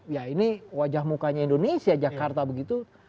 ya ini wajah mukanya indonesia jakarta begitu